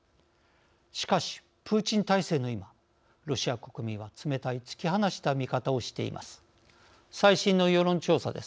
しかし、プーチン体制の今ロシア国民は冷たい突き放した見方をしています。